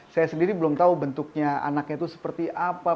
saya sendiri belum tahu bentuknya anaknya itu seperti apa